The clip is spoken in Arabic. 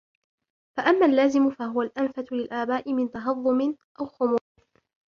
فَأَمَّا اللَّازِمُ فَهُوَ الْأَنَفَةُ لِلْآبَاءِ مِنْ تَهَضُّمٍ أَوْ خُمُولٍ